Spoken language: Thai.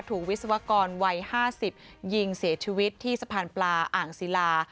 วิศวกรวัย๕๐ยิงเสียชีวิตที่สะพานปลาอ่างศิลา